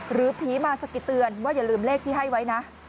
หรือผีมาสะกิดเตือนว่าอย่าลืมเลขที่ให้ไว้นะ